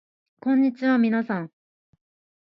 こんにちはみなさん